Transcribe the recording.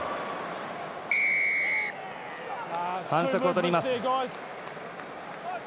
反則をとります。